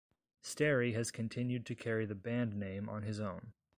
Sterry has continued to carry the band name on his own.